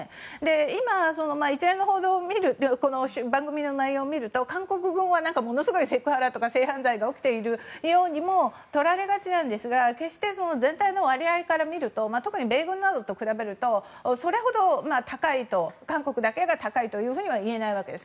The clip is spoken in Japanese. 今、一連の報道番組の内容を見ると韓国軍はものすごいセクハラとか性犯罪が起きているようにも取られがちなんですが決して全体の割合から見ると特に米軍などと比べるとそれほど韓国だけが高いと言えないわけです。